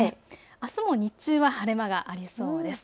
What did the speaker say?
あすも日中は晴れ間がありそうです。